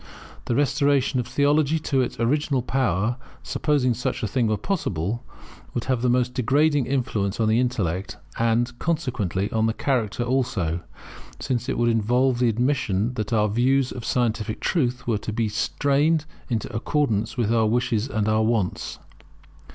The restoration of theology to its original power, supposing such a thing were possible, would have the most degrading influence on the intellect, and, consequently, on the character also; since it would involve the admission that our views of scientific truth were to be strained into accordance with our wishes and our wants.